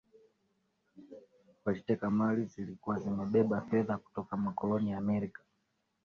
waliteka meli zilikuwa zimebeba fedha kutoa makoloni ya amerika